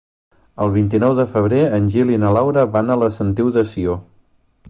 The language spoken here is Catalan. El vint-i-nou de febrer en Gil i na Laura van a la Sentiu de Sió.